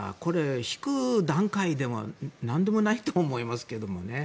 引く段階でも何でもないと思いますけどね。